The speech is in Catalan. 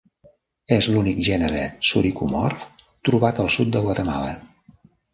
És l'únic gènere soricomorf trobat al sud de Guatemala.